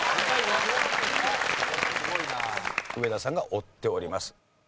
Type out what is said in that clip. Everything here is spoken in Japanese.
上田さんが追っております。